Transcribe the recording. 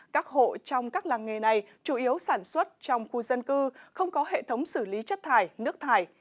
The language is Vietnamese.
các hộ trong các làng nghề này chủ yếu sản xuất trong khu dân cư không có hệ thống xử lý chất thải nước thải